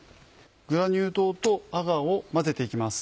グラニュー糖とアガーを混ぜて行きます。